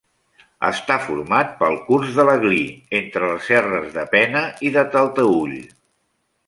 Està format pel curs de l'Aglí entre les serres de Pena i de Talteüll.